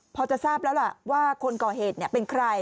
พอจะทราบแล้วล่ะว่าคนก่อเหตุเป็นใคร